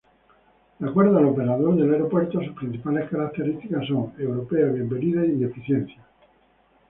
De acuerdo al operador del aeropuerto, sus principales características son: europea, bienvenida y eficiente.